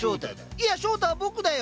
いや翔太は僕だよ！